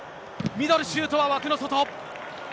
ミドルシュートは枠の外。